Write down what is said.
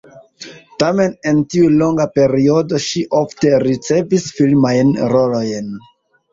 Tamen en tiu longa periodo ŝi ofte ricevis filmajn rolojn.